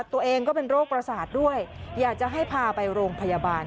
ตัวเองก็เป็นโรคประสาทด้วยอยากจะให้พาไปโรงพยาบาล